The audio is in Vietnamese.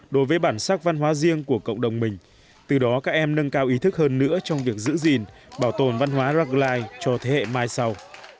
đối với bản sắc văn hóa riêng của cộng đồng mình từ đó các em nâng cao ý thức hơn nữa trong việc giữ gìn bảo tồn văn hóa rackline cho thế hệ mai sau